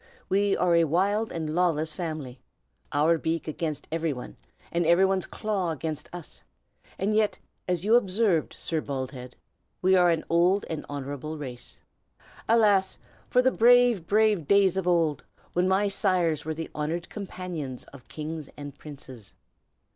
We are a wild and lawless family, our beak against every one, and every one's claw against us, and yet, as you observed, Sir Baldhead, we are an old and honorable race. Alas! for the brave, brave days of old, when my sires were the honored companions of kings and princes!